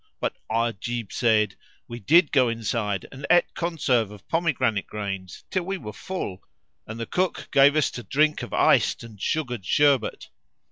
But Ajib said, "We did go inside and ate conserve of pomegranate grains till we were full; and the cook gave us to drink of iced and sugared sherbet."